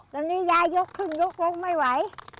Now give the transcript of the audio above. ตอนนี้ยายยกขึ้นยกลงไม่ไหว